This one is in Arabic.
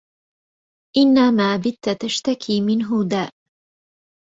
إن ما بت تشتكي منه داء